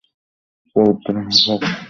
পবিত্রা, হ্যাঁ ফক!